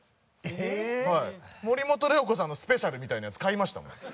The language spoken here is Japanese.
森本レオ子さんのスペシャルみたいなやつ買いましたもん。